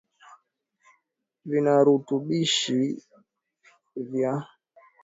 vinavirutubishi vya karotenoids vinavyopatikana kwenye viazi lishe husaidia kurekebisha sukari mwilini